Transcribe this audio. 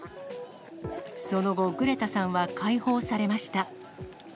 その後、グレタさんは解放されました。